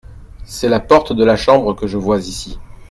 C’est la porte de la chambre que je vois ici.